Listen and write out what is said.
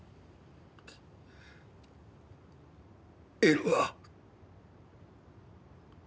Ｌは。